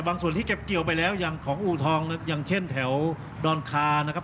ส่วนที่เก็บเกี่ยวไปแล้วอย่างของอูทองอย่างเช่นแถวดอนคานะครับ